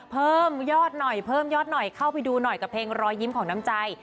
เพิ่มยอดหน่อยเข้าไปดูหน่อยกับเพลงรอยยิ้มของน้ำใจ